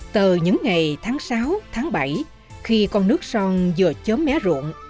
từ những ngày tháng sáu tháng bảy khi con nước son vừa chớm mé ruộng